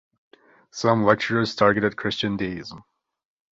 Some lecturers targeted Christian Deism.